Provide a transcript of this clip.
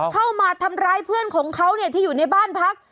เข้ามาทำร้ายเพื่อนของเขาที่อยู่ในบ้านพัก